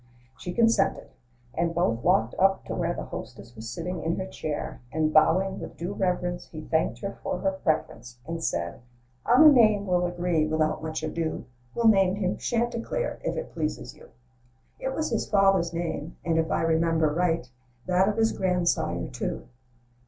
She consented, and both walked up to where The hostess was sitting in her chair; And bowing with due reverence, He thanked her for her preference, And said, "On a name we'll agree, without much ado, — We'll name him ' Chanticleer,' if it pleases you. It was his father's name, and, if I remember right, That of his grandsire, too."